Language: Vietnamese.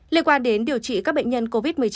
liên quan đến điều trị các bệnh nhân covid một mươi chín